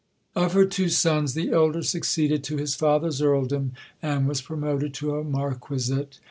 Of her two sons, the elder succeeded to his father's Earldom, and was promoted to a Marquisate.